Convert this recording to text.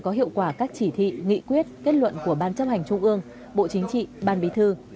có hiệu quả các chỉ thị nghị quyết kết luận của ban chấp hành trung ương bộ chính trị ban bí thư